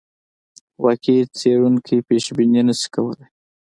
واقعي څېړونکی پیشبیني نه شي کولای.